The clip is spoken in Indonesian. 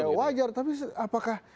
ya wajar tapi apakah